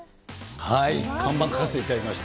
看板書かせていただきました。